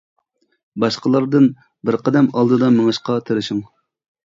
باشقىلاردىن بىر قەدەم ئالدىدا مېڭىشقا تىرىشىڭ.